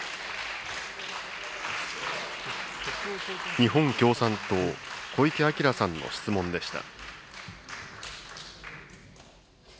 日本共産党、小池晃さんの質問でした。